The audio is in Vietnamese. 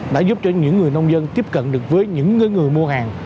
đã giúp cho những người nông dân tiếp cận được với những người mua hàng